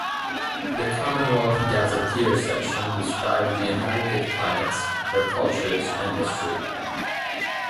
"The Commonwealth Gazetteer" section describes the inhabited planets, their cultures, and history.